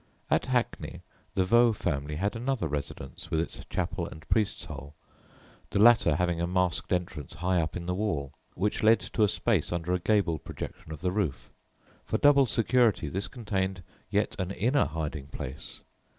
] At Hackney the Vaux family had another, residence with its chapel and "priest's hole," the latter having a masked entrance high up in the wall, which led to a space under a gable projection of the roof. For double security this contained yet an inner hiding place.